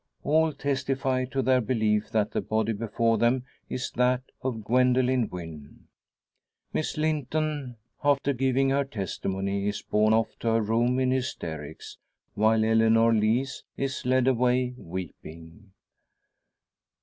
All testify to their belief that the body before them is that of Gwendoline Wynn. Miss Linton, after giving her testimony, is borne off to her room in hysterics; while Eleanor Lees is led away weeping.